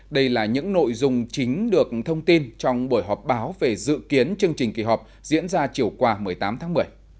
đây là những nội dung chính được thông tin trong buổi họp báo về dự kiến chương trình kỳ họp diễn ra chiều qua một mươi tám tháng một mươi